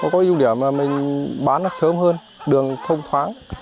có ưu điểm là mình bán nó sớm hơn đường thông thoáng